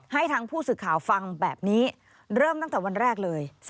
ให้ทางผู้สื่อข่าวฟังแบบนี้เริ่มตั้งแต่วันแรกเลย